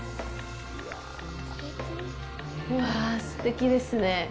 うわぁ、すてきですね！